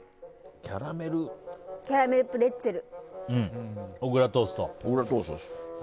キャラメルプレッツェル。小倉トーストです。